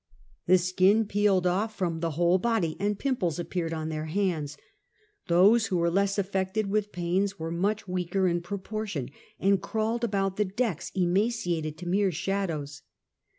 The skin peeled off from the whole body, and pimples apjieared on their hands. Tliose who were less affected with pains were much weaker in prox>ortion, and crawled about the decks emaciated to mere shadows.